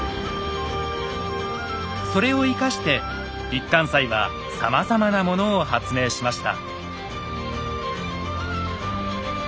それを生かして一貫斎はさまざまなものを発明しました。